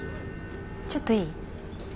ちょっといい？